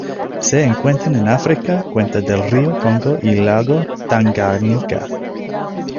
Se encuentran en África: cuenca del río Congo y lago Tanganika.